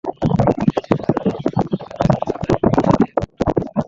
দেশটির সর্বোচ্চ সম্মানিত ব্যক্তির প্রতি শ্রদ্ধা নিবেদনের জন্যই এমন পদক্ষেপ নিয়েছে ফেসবুক।